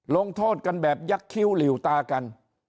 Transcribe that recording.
ลงโทษกันแบบยักษ์คิ้วหลิวตากัน